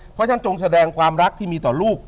เพราะฉันจงแสดงความรักที่มีต่อลูก